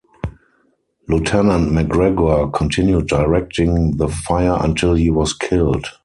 Lieutenant McGregor continued directing the fire until he was killed.